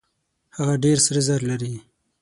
هغه ډېر سره زر لري.